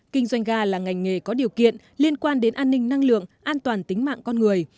kinh doanh ga là ngành nghề có điều kiện liên quan đến an ninh năng lượng an toàn tính mạng con người